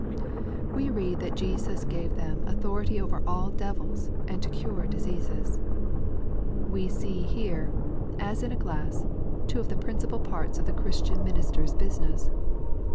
We read that Jesus gave them " authority over all devils, and to cure diseasfisJ^ We see here, as in a glass, two of the principal parts of the Christian minister's business.